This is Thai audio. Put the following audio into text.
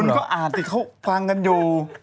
ก็อ่านสิเขาฟังกันอยู่